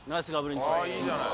あぁいいじゃない。